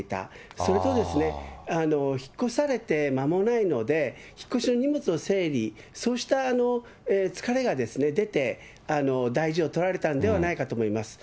それと引っ越されて間もないので、引っ越しの荷物の整理、そうした疲れが出て、大事を取られたんではないかと思います。